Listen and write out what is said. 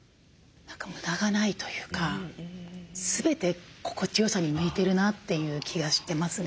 無駄がないというか全て心地よさに向いてるなという気がしてますね